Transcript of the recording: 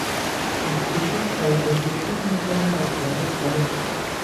دون کیشوت در جستجوی ماجرا از قلعه خارج شد.